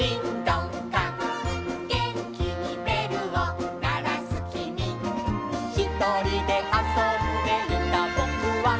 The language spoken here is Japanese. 「げんきにべるをならすきみ」「ひとりであそんでいたぼくは」